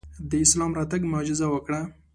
د اسلام راتګ معجزه وکړه.